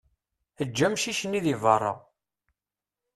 Eǧǧ amcic-nni deg berra.